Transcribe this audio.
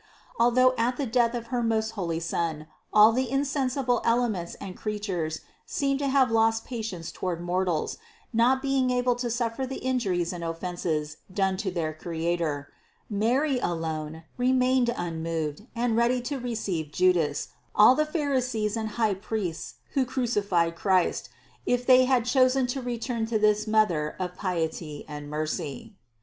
Although at the death of her most holy Son all the insensible elements and creatures seemed to have lost patience toward mortals, not being able to suffer the injuries and offenses done to their Creator, Mary alone remained unmoved and ready to receive Judas, all the pharisees and high priests who cruci fied Christ, if they had chosen to return to this Mother of piety and mercy.